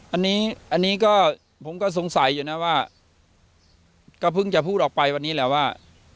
อันนี้อันนี้ก็ผมก็สงสัยอยู่นะว่าก็เพิ่งจะพูดออกไปวันนี้แหละว่า